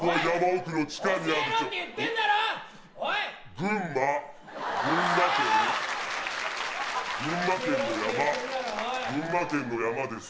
群馬県の山です